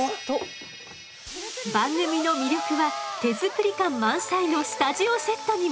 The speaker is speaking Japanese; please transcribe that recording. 番組の魅力は手作り感満載のスタジオセットにも。